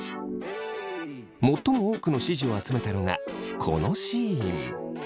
最も多くの支持を集めたのがこのシーン。